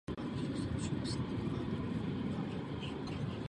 Narodil se jako první z třech synů židovského obchodníka.